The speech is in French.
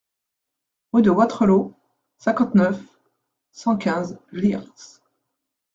Rue de Wattrelos, cinquante-neuf, cent quinze Leers